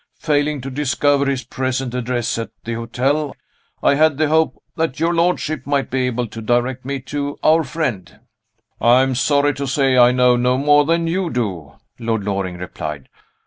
Failing to discover his present address at the hotel, I had the hope that your lordship might be able to direct me to our friend." "I am sorry to say I know no more than you do," Lord Loring replied.